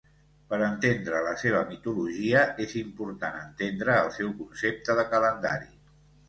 Per entendre la seva mitologia, és important entendre el seu concepte de calendari.